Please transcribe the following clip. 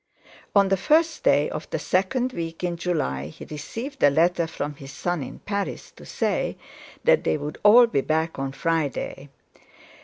On the first day of the second week in July he received a letter from his son in Paris to say that they would all be back on Friday.